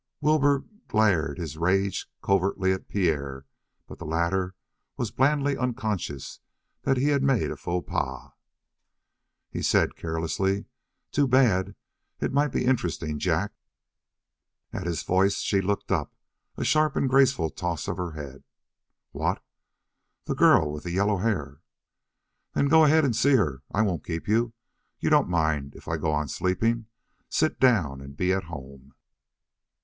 Wilbur glared his rage covertly at Pierre, but the latter was blandly unconscious that he had made any faux pas. He said carelessly: "Too bad. It might be interesting. Jack?" At his voice she looked up a sharp and graceful toss of her head. "What?" "The girl with the yellow hair." "Then go ahead and see her. I won't keep you. You don't mind if I go on sleeping? Sit down and be at home."